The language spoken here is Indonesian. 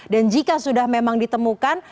dan jika sudah memang ditemukan